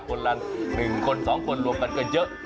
คนละ๑คน๒คนรวมกันก็เยอะ